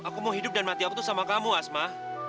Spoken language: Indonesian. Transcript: aku mau hidup dan mati aku tuh sama kamu asma